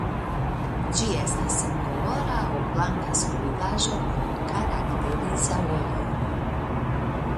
Ĝi estas senkolora aŭ blanka solidaĵo kun karakteriza odoro.